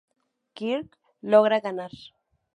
Kirk logra ganar.